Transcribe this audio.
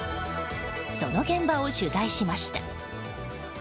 その現場を取材しました。